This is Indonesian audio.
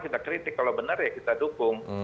kita kritik kalau benar ya kita dukung